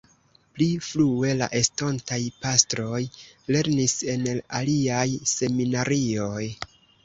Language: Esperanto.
Pli frue la estontaj pastroj lernis en aliaj seminarioj.